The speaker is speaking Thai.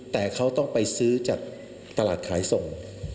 แต่เขาต้องไปซื้อจากตลาดขายส่ง